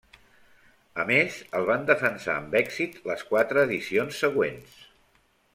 A més, el van defensar amb èxit les quatre edicions següents.